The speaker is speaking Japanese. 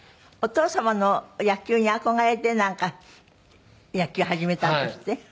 お父様の野球に憧れてなんか野球始めたんですって？